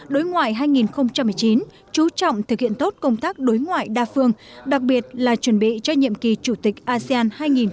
đối ngoại hai nghìn một mươi chín chú trọng thực hiện tốt công tác đối ngoại đa phương đặc biệt là chuẩn bị cho nhiệm kỳ chủ tịch asean hai nghìn hai mươi